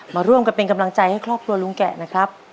มาร่วมกันเป็นกำลังใจให้ครอบครัวลุงแกะนะครับ